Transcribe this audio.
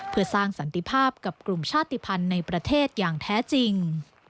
เพื่อสร้างสันติภาพกับกลุ่มชาติภัณฑ์ในประเทศอย่างแท้จริง